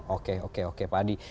oke pak adi